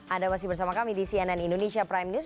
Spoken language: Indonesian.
anda masih bersama kami di cnn indonesia prime news